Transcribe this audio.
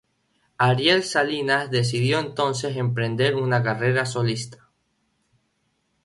Ariel Salinas decidió entonces emprender una carrera solista.